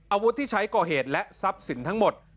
อาวุธที่ใช้ก่อเหตุและทรัพย์สินทั้งหมด